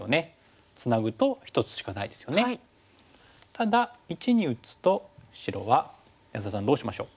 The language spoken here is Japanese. ただ①に打つと白は安田さんどうしましょう？